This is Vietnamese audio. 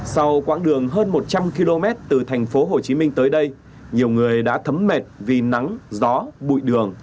sau quãng đường hơn một trăm linh km từ thành phố hồ chí minh tới đây nhiều người đã thấm mệt vì nắng gió bụi đường